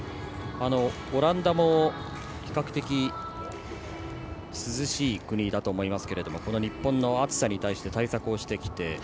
オランダも、比較的涼しい国だと思いますけどこの日本の暑さに対して対策をしてきて。